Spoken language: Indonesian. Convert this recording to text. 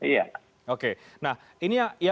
iya oke nah ini